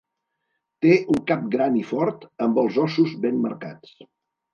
Té un cap gran i fort amb els ossos ben marcats.